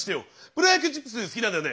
プロ野球チップス好きなんだよね？